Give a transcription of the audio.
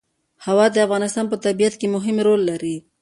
هوا د افغانستان په طبیعت کې مهم رول لري.